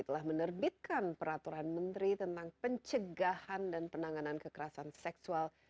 telah menerbitkan peraturan menteri tentang pencegahan dan penanganan kekerasan seksual